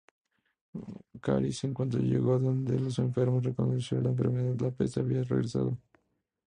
Caris en cuanto llegó donde los enfermos reconoció la enfermedad, la peste había regresado.